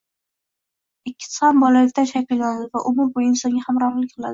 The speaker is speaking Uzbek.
Ikkisi ham bolalikdan shakllanadi va umr bo`yi insonga hamrohlik qiladi